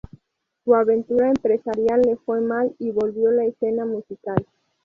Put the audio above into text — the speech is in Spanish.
Su aventura empresarial le fue mal y volvió la escena musical.